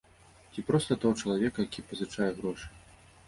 Ці проста таго чалавека, які пазычае грошы.